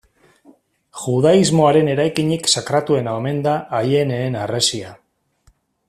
Judaismoaren eraikinik sakratuena omen da Aieneen Harresia.